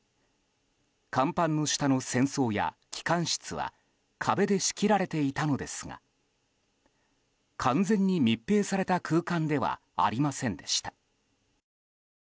甲板の下の船倉や機関室は壁で仕切られていたのですが完全に密閉された空間ではありませんでした。